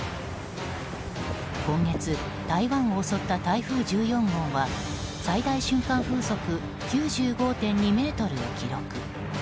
今月、台湾を襲った台風１４号は最大瞬間風速９５．２メートルを記録。